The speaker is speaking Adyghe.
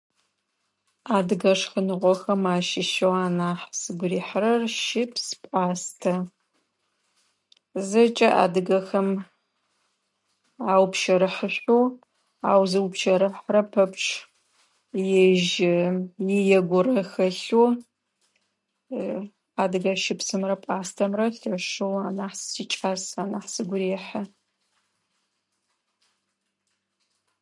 Адыгэ шхыныгъохэм ащыщэу анахь сыгу рихьырэр щыпс, пӏастэ. Зэкӏэ адыгэхэм аупщэрыхьышӏоу, ау зыупщэрыхьырэ пэпчъ ежь ие горэ хэлъэу адыгэ щыпсымрэ пӏастэмрэ лъэшэу анахь сикӏас, анахь сыгу рехьы.